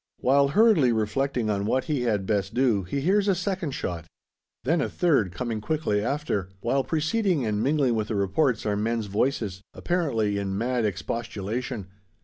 While hurriedly reflecting on what he had best do, he hears a second shot. Then a third, coming quickly after; while preceding, and mingling with the reports are men's voices, apparently in mad expostulation.